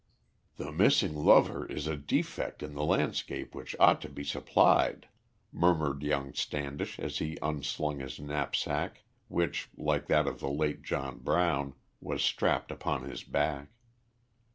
"The missing lover is a defect in the landscape which ought to be supplied," murmured young Standish as he unslung his knapsack, which, like that of the late John Brown, was strapped upon his back.